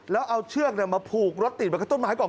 แล้วเอาเชือกมาผูกรถติดมากับต้นไม้ก่อน